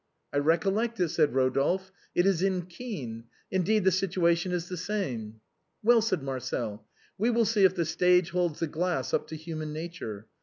I recollect it," said Rodolphe, " it is in ' Kean.' In deed, the situation is the same." " Well," said Marcel, " we will see if the stage holds the glass up to human nature.